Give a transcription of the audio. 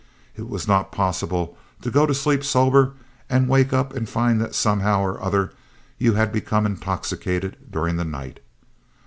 It was not possible to go to sleep sober and wake up and find that somehow or other you had become intoxicated during the night.